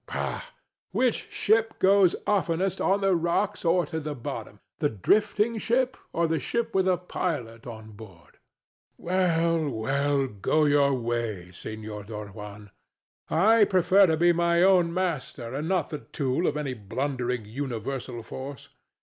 DON JUAN. Pooh! which ship goes oftenest on the rocks or to the bottom the drifting ship or the ship with a pilot on board? THE DEVIL. Well, well, go your way, Senor Don Juan. I prefer to be my own master and not the tool of any blundering universal force.